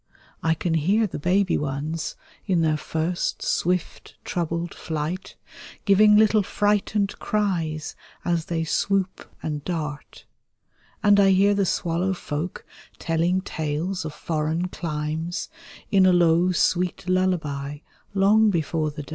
I can hear the baby ones, in their first, swift, troubled flight. Giving little frightened cries as they swoop and dart. And I hear the swallow folk telling tales of foreign climes, In a low sweet lullaby long before the day.